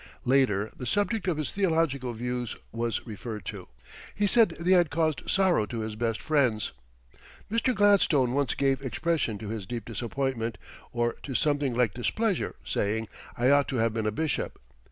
Later the subject of his theological views was referred to. He said they had caused sorrow to his best friends. "Mr. Gladstone once gave expression to his deep disappointment, or to something like displeasure, saying I ought to have been a bishop.